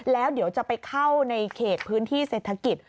แล้วเดี๋ยวจะไปเข้าในเขตพื้นที่เศรษฐกิจ